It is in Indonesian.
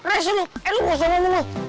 resi lo eh lo kok serangin lo